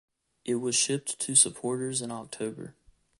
It was shipped to supporters in October.